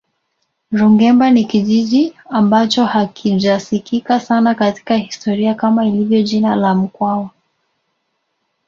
Rungemba ni kijiji ambacho hakijasikika sana katika historia kama lilivyo jina la mkwawa